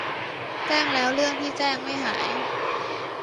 แจ้งแล้วเรื่องที่แจ้งไม่หาย